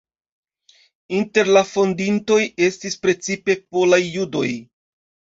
Inter la fondintoj estis precipe polaj judoj.